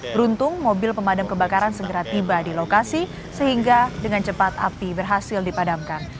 beruntung mobil pemadam kebakaran segera tiba di lokasi sehingga dengan cepat api berhasil dipadamkan